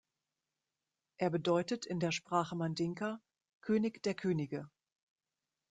Er bedeutet in der Sprache Mandinka "König der Könige".